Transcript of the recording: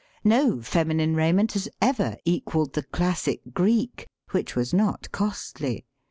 No feminine raiment has ever equalled the classic Greek, which was not costly.